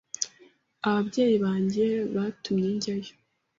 Ababyeyi banjye batumye njyayo.